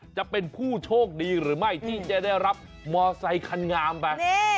จะเป็นผู้โชคดีหรือไม่ที่จะได้รับมอไซคันงามไป